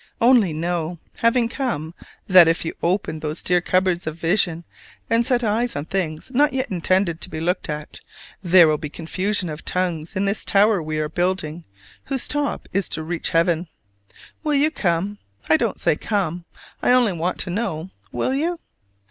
Only know, having come, that if you open those dear cupboards of vision and set eyes on things not yet intended to be looked at, there will be confusion of tongues in this Tower we are building whose top is to reach heaven. Will you come? I don't say "come"; I only want to know will you?